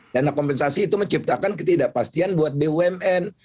dana kompensasi itu menciptakan ketidakpastian buat bumn